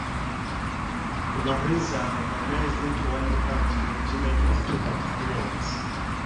The marines are organized into one infantry regiment with two battalions.